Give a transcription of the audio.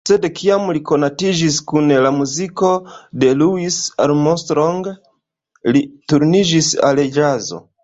Sed kiam li konatiĝis kun la muziko de Louis Armstrong, li turniĝis al ĵazo.